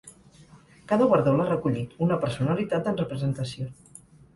Cada guardó l’ha recollit una personalitat en representació.